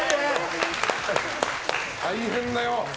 大変だよ。